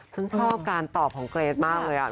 ฉันชอบการตอบของเกรทมากเลย